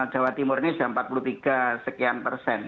jawa timur ini sudah empat puluh tiga sekian persen